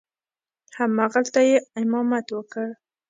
همغلته یې امامت وکړ.